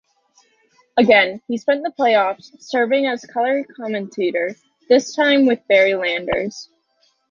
Again, he spent the playoffs serving as color commentator, this time with Barry Landers.